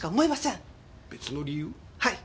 はい。